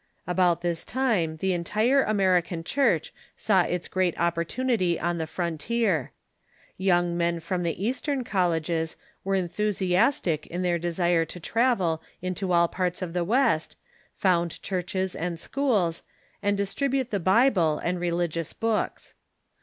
About this time the entire American Church saw its great opportunity on the frontier. Young men from the East ern colleges were enthusiastic in tlieir desire to travel into all parts of the West, found churches and schools, and distribute the Bible and religious books.